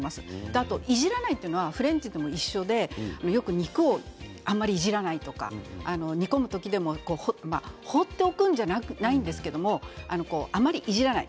あと、いじらないというのはフレンチでも一緒で肉をあまりいじらないとか煮込む時でも放っておくわけじゃないですけれどあまりいじらない。